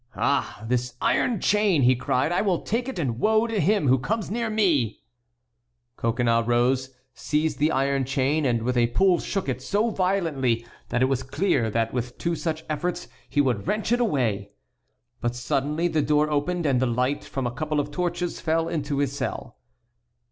"Ah! this iron chain!" he cried, "I will take it and woe to him who comes near me!" Coconnas rose, seized the iron chain, and with a pull shook it so violently that it was clear that with two such efforts he would wrench it away. But suddenly the door opened and the light from a couple of torches fell into the cell.